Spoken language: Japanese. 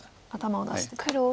頭を出してと。